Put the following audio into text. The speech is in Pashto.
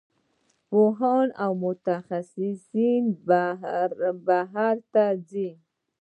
پوهان او متخصصین بهر ته ځي.